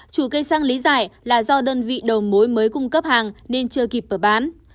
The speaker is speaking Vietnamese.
trụ cây xăng lý giải là do đơn vị đồ mối mới cung cấp hàng nên chưa kịp bởi bán